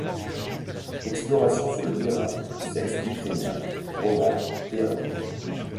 Explorations sur le terrain du sexe ukrainien, roman, trd.